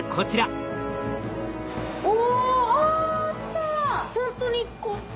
お！